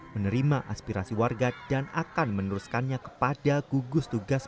menerima aspirasi warga dan akan meneruskannya kepada gugus tugas